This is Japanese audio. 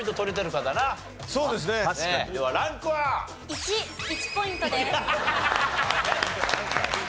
１。１ポイントです。